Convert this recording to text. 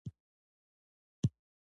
ډېر عادي کمیس و.